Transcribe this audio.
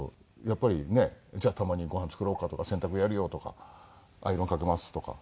やっぱりねじゃあたまに「ごはん作ろうか」とか「洗濯やるよ」とか「アイロンかけます」とか。